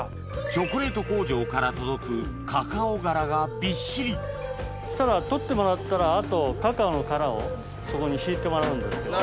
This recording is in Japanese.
チョコレート工場から届くカカオ殻がびっしりそしたら取ってもらったらあとカカオの殻をそこに敷いてもらうんですけど。